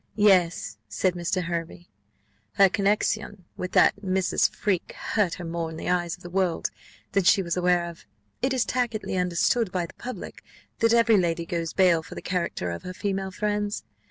"Yes," said Mr. Hervey, "her connexion with that Mrs. Freke hurt her more in the eyes of the world than she was aware of. It is tacitly understood by the public, that every lady goes bail for the character of her female friends.